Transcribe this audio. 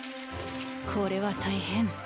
これは大変。